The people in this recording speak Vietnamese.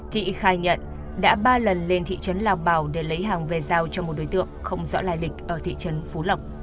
thị khai nhận đã ba lần lên thị trấn lao bảo để lấy hàng về giao cho một đối tượng không rõ lai lịch ở thị trấn phú lộc